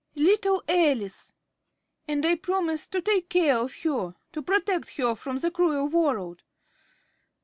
_) Little Alice! And I promised to take care of her to protect her from the cruel world.